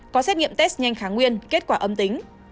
có xét nghiệm test nhanh kháng nguyên kết quả âm tính